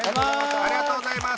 ありがとうございます。